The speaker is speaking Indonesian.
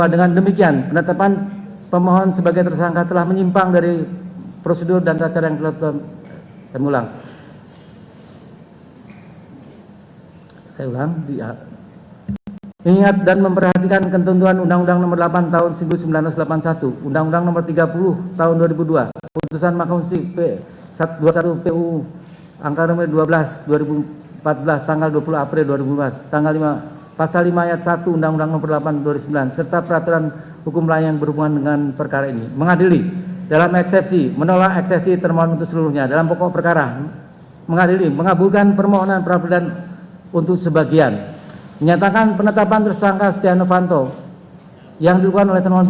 dan memperoleh informasi yang benar jujur tidak diskriminasi tentang kinerja komisi pemberantasan korupsi harus dipertanggungjawab